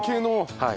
はい。